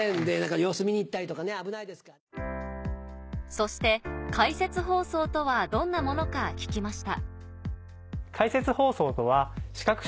そして解説放送とはどんなものか聞きました